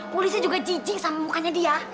polisi juga jijik sama mukanya dia